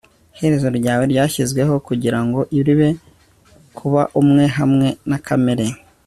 iherezo ryawe ryashizweho kugirango ribe, kuba umwe hamwe na kamere